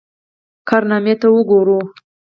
کارنامې ته وګورو.